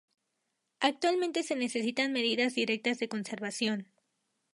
Actualmente se necesitan medidas directas de conservación.